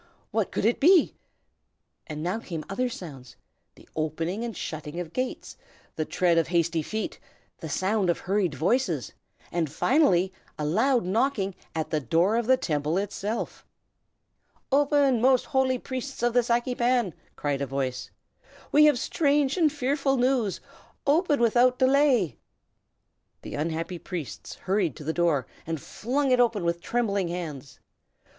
what could it be? And now came other sounds, the opening and shutting of gates, the tread of hasty feet, the sound of hurried voices, and finally a loud knocking at the door of the Temple itself. "Open, most holy Priests of the Saki Pan!" cried a voice. "We have strange and fearful news! Open without delay!" The unhappy priests hurried to the door, and flung it open with trembling hands.